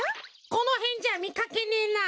このへんじゃみかけねえな。